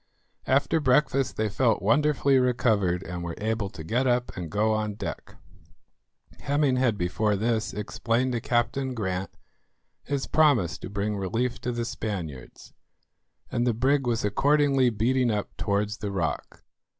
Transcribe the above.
After breakfast they felt wonderfully recovered, and were able to get up and go on deck. Hemming had before this explained to Captain Grant his promise to bring relief to the Spaniards, and the brig was accordingly beating up towards the rock.